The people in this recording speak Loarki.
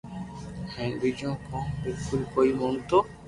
ھين ٻيجو ڪنو بلڪول ڪوئي موگتو